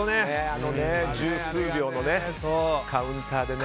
あの十数秒のカウンターでね。